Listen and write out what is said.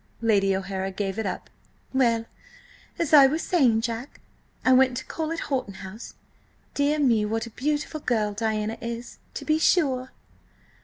Lady O'Hara gave it up. "Well, as I was saying, Jack, I went to call at Horton House. Dear me, what a beautiful girl Diana is, to be sure!"